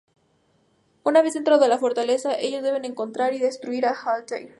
Una vez dentro de la fortaleza, ellos deben encontrar y destruir a Altair.